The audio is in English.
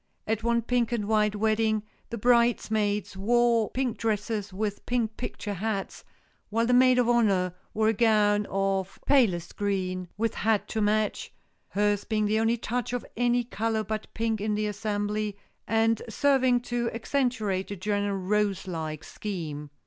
At one pink and white wedding the bridesmaids wore pink dresses with pink picture hats, while the maid of honor wore a gown of palest green with hat to match,—hers being the only touch of any color but pink in the assembly, and serving to accentuate the general rose like scheme.